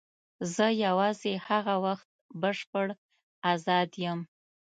زه یوازې هغه وخت بشپړ آزاد یم.